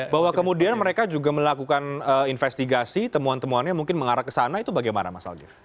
bahwa kemudian mereka juga melakukan investigasi temuan temuannya mungkin mengarah ke sana itu bagaimana mas aldif